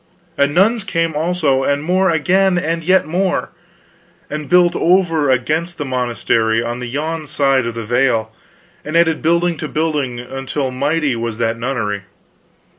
And nuns came, also; and more again, and yet more; and built over against the monastery on the yon side of the vale, and added building to building, until mighty was that nunnery.